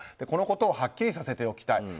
このことをはっきりさせておきたい。